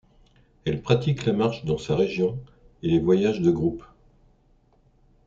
Elle pratique la marche dans sa région et les voyages de groupe.